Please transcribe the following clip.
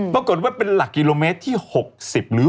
ปรากฏว่าเป็นหลักกิโลเมตรที่๖๐หรือ